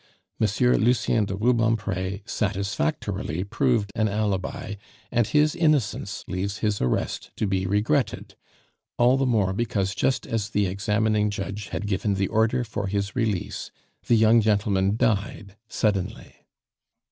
"Monsieur Lucien de Rubempre satisfactorily proved an alibi, and his innocence leaves his arrest to be regretted, all the more because just as the examining judge had given the order for his release the young gentleman died suddenly."